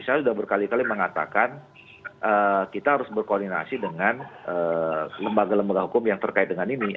saya sudah berkali kali mengatakan kita harus berkoordinasi dengan lembaga lembaga hukum yang terkait dengan ini